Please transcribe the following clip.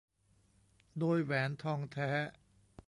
โดยแหวนทองแท้